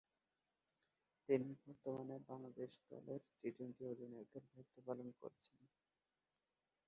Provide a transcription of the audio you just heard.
তিনি বর্তমানে বাংলাদেশ জাতীয় দলের টি-টোয়েন্টি অধিনায়কের দায়িত্ব পালন করছেন।